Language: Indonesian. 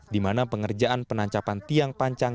di mana pengerjaan penancapan tiang pancang